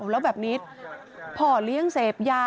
แล้วแบบนี้พ่อเลี้ยงเสพยา